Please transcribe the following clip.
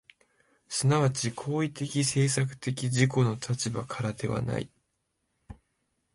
即ち行為的・制作的自己の立場からではない。